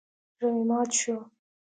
زړه مې مات شو.